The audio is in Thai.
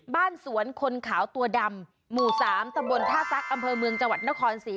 บ้านสวนคนขาวตัวดำหมู่๓ตำบลท่าซักอำเภอเมืองจังหวัดนครศรี